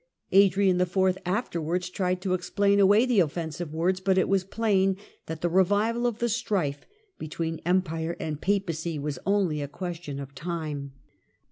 Adrian IV. afterwards tried to explain away the offensive words, but it was plain that the revival of the strife between Empire and Papacy was only a question of time.